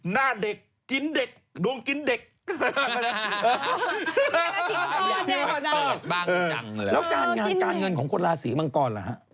แล้วการเงินของคนลาศีมังกรหรือหะ